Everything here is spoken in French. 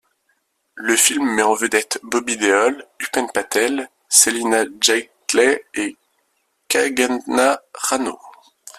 Le film met en vedette Bobby Deol, Upen Patel, Celina Jaitley et Kangana Ranaut.